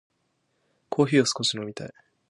コーヒーを少し飲みたい。